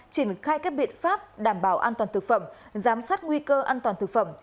triển khai các biện pháp đảm bảo an toàn thực phẩm giám sát nguy cơ an toàn thực phẩm